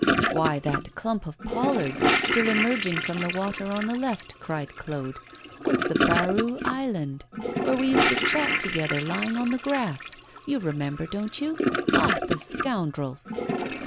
'Why, that clump of pollards still emerging from the water on the left,' cried Claude, 'was the Barreux Island, where we used to chat together, lying on the grass! You remember, don't you? Ah! the scoundrels!